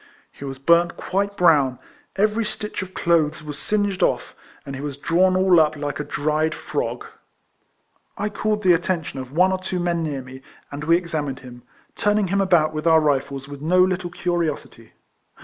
He was burnt quite brown, every stitch of clothes was singed off, and he was drawn all up like a dried frog. I called the attention of one or two men near me, and 108 EECOLLECTIONS OT we examined him, turning him about with our rifles with no little curiosity.